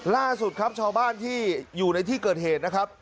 ล่าสุดครับชาวบ้านที่อยู่ในที่เกิดเหตุนะครับ